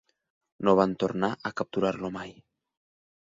No van tornar a capturar-lo mai.